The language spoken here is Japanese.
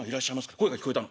声が聞こえたの。